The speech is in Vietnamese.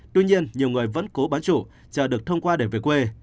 tuy nhiên nhiều người vẫn cố bán trụ chờ được thông qua để về quê